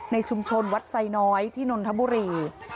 ในชุมชนวัดไซน้อยที่นนทบุรี